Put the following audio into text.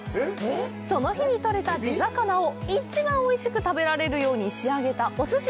その日に取れた地魚を一番おいしく食べられるように仕上げたおすし。